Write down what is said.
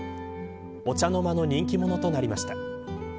お茶の間の人気者となりました。